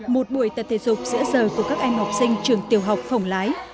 một buổi tập thể dục giữa giờ của các em học sinh trường tiểu học phổng lái